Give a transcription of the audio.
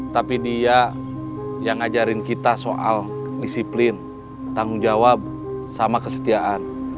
tapi dia yang ngajarin kita soal disiplin tanggung jawab sama kesetiaan